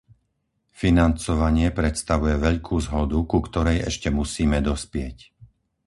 Financovanie predstavuje veľkú zhodu, ku ktorej ešte musíme dospieť.